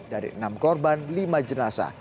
dari enam korban lima jenasa